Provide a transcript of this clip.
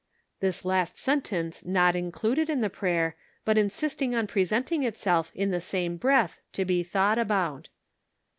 This last sentence not included in the prayer, but insisting on presenting itself in the same breath to be thought about.